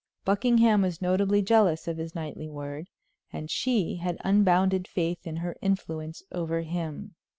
Buckingham was notably jealous of his knightly word, and she had unbounded faith in her influence over him.